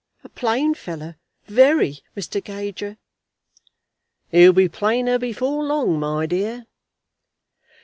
A plain fellow, very, Mr. Gager." "He'll be plainer before long, my dear."